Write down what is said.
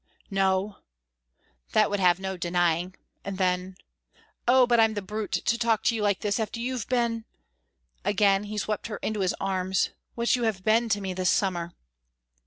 "No!" that would have no denying; and then: "Oh but I'm the brute to talk to you like this, after you've been" again he swept her into his arms "what you have been to me this summer."